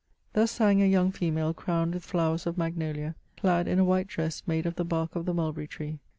" Thus sang a young female crowned with flowers of mag nolia, clad in a white dress made of the bark of the mulberry tree.